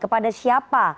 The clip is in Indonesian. pada saat ini ada siapa